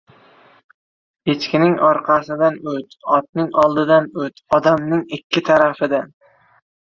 • Echkining orqasidan o‘t, otning oldidan o‘t, odamning — ikki tarafidan.